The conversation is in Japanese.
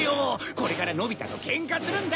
これからのび太とケンカするんだ。